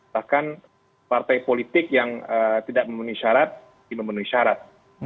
bahkan partai politik yang tidak memenuhi syarat di memenuhi syarat